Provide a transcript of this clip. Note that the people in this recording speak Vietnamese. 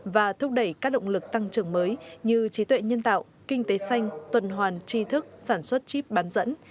và thúc đẩy các động lực tăng trưởng mới như trí tuệ nhân tạo kinh tế xanh tuần hoàn tri thức sản xuất chip bán dẫn